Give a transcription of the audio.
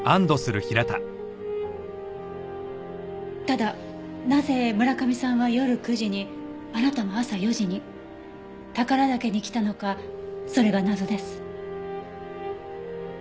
ただなぜ村上さんは夜９時にあなたも朝４時に宝良岳に来たのかそれが謎です。